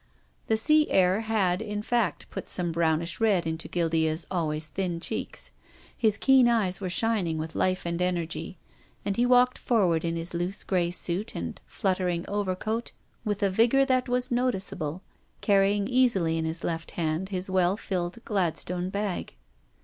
The sea air had, in fact, put some brownish red into Guildea's always thin cheeks. His keen eyes were shining with life and energy, and he walked forward in his loose grey suit and fluttering over coat with a vigour that was noticeable, carrying easily in his left hand his well filled Gladstone bag.